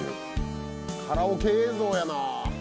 カラオケ映像やな。